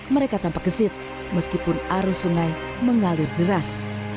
mereka tanpa kesit meskipun arus sungai mengalir deras